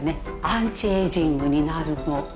アンチエイジングになるの。